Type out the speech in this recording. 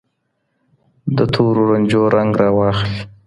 د تورو رنجو رنګ را واخلي